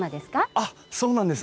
あっそうなんです。